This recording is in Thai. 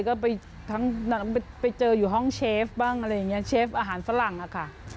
ก็ไปทั้งไปเจออยู่ห้องเชฟบ้างอะไรอย่างนี้เชฟอาหารฝรั่งอะค่ะ